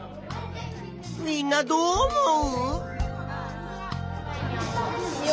みんなどう思う？